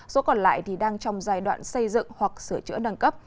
số còn lại đang trong giai đoạn xây dựng hoặc sửa chữa nâng cấp